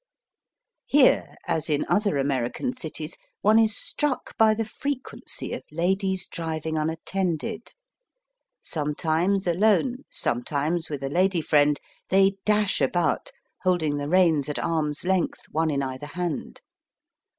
Here, as in other American cities, one is struck by the frequency of ladies driving unattended. Sometimes alone, sometimes with a lady friend, they dash about, holding the reins at arm's length, one in either hand.